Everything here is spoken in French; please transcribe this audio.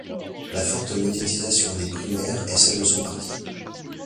La forte médiatisation des primaires et celle de son parti.